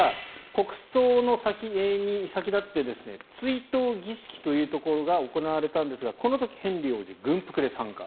国葬に先立って追悼儀式が行われたんですがこの時、ヘンリー王子軍服で参加。